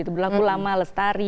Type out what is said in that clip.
berlaku lama lestari